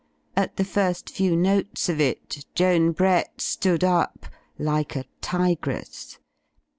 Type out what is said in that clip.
At the first few notes of it, Joan Brett stood up, like a tigress.